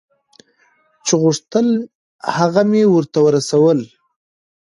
چې غوښتل هغه مې ورته رسول.